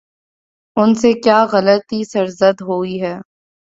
ان سے کیا غلطی سرزد ہوئی ہے؟